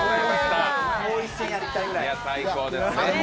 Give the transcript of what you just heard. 最高ですね。